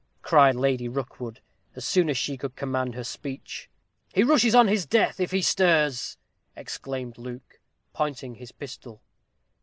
cried Lady Rookwood, as soon as she could command her speech. "He rushes on his death if he stirs," exclaimed Luke, pointing his pistol.